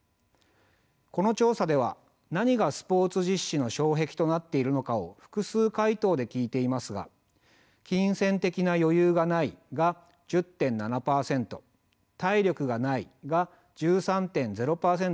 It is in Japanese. この調査では何がスポーツ実施の障壁となっているのかを複数回答で聞いていますが金銭的な余裕がないが１０．７％体力がないが１３．０％と多くなっています。